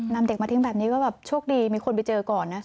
นำเด็กมาทิ้งแบบนี้ก็แบบโชคดีมีคนไปเจอก่อนนะ